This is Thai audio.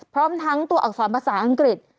พร้อมทั้งตัวอักษรภาษาอังกฤษ